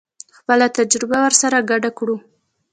خپله تجربه ورسره ګډه کړو.